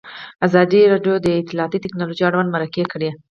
ازادي راډیو د اطلاعاتی تکنالوژي اړوند مرکې کړي.